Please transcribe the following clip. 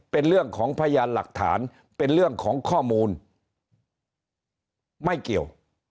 เป็นเรื่องของพยานหลักฐานเป็นเรื่องของข้อมูลไม่เกี่ยว